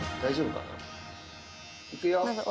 いくよ。